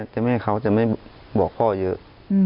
แต่แม่เขาจะไม่บอกพ่อเยอะ